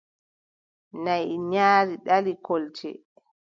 Naʼi nyaari ɗali kolce.